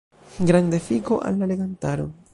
Granda efiko al la legantaro.